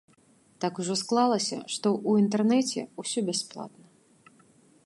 Так ужо склалася, што ў інтэрнэце ўсё бясплатна.